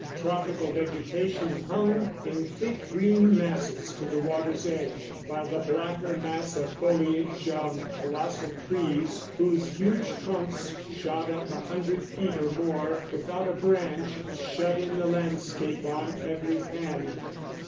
Tropical vegetation hung in thick green masses to the water's edge, while the blacker mass of foliage of colossal trees whose huge trunks shot up a hundred feet or more without a branch, shut in the landscape on every hand.